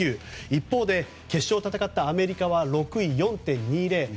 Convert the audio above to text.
一方で決勝を戦ったアメリカは６位、４．２０。